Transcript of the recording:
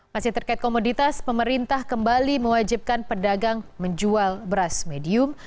masih terkait komoditas pemerintah kembali mewajibkan pedagang menjual beras medium